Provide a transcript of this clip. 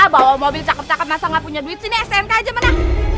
bawa mobil cakep cakep masa gak punya duit sini snk aja mana